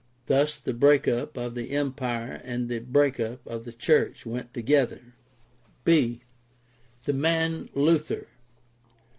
Thus the break up of the Empire and the break up of the church went together. b) The man Luther.